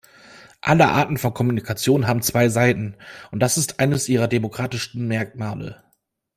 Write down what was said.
Alle Arten von Kommunikation haben zwei Seiten, und das ist eines ihrer demokratischsten Merkmale.